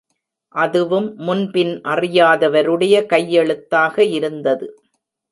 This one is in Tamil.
அதுவும் முன் பின் அறியாதவருடைய கையெழுத்தாக இருந்தது.